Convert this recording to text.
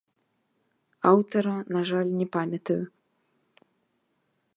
Аўтара, на жаль, не памятаю.